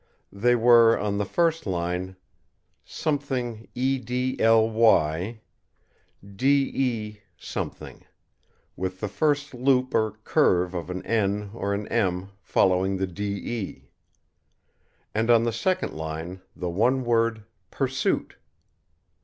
They were, on the first line: " edly de ," with the first loop or curve of an "n" or an "m" following the "de"; and on the second line the one word "Pursuit!"